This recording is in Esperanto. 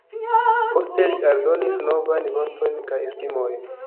Poste li aldonis novajn vortojn kaj esprimojn.